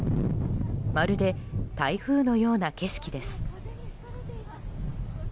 まるで台風のような景色です。